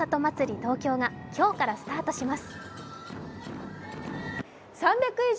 東京が今日からスタートします。